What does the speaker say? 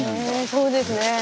そうですね。